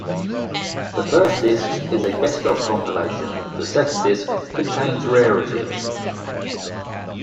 The first disc is a best-of compilation; the second disc contains rarities.